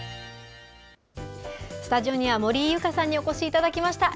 スタジオには森井ユカさんにお越しいただきました。